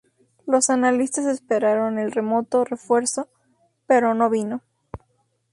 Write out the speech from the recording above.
Los analistas esperaron el remoto refuerzo, pero no vino.